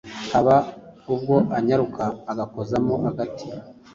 Haba ubwo anyaruka agakozamo agati.